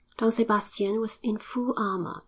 Don Sebastian was in full armour.